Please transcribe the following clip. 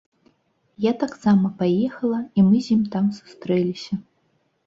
Я таксама паехала, і мы з ім там сустрэліся.